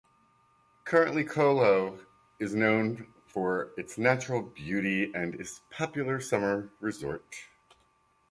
Currently Kolho is known for its natural beauty and is a popular summer resort.